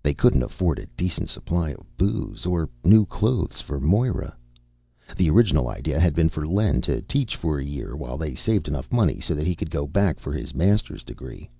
They couldn't afford a decent supply of booze or new clothes for Moira. The original idea had been for Len to teach for a year while they saved enough money so that he could go back for his master's degree.